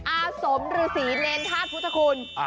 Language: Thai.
อาสมฤษีเนรธาตุพุทธคุณ